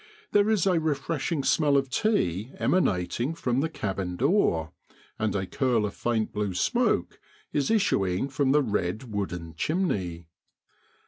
There is a refreshing smell of tea emanating from the cabin door, and a curl of faint blue smoke is issuing from the red wooden chimney.